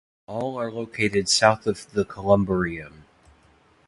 All are located south of the columbarium.